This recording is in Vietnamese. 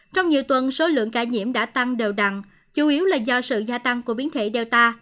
trong nhiều tuần số lượng ca nhiễm đã tăng đều đặn chủ yếu là do sự gia tăng của biến thể data